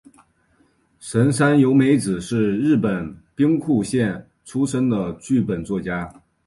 神山由美子是日本兵库县出身的剧本作家。